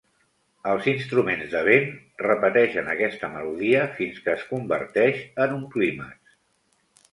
Els instruments de vent repeteixen aquesta melodia fins que es converteix en un clímax.